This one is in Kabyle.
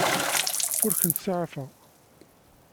Ur kent-ttsaɛafeɣ.